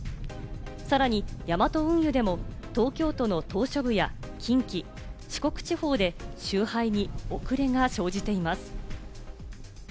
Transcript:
さらにヤマト運輸でも、東京都の島しょ部や近畿、四国地方で集配に遅れが生じています。